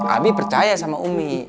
abi percaya sama umi